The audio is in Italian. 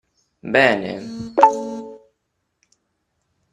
“Bene!